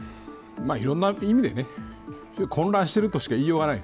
いろんな意味で混乱しているとしか言いようがない。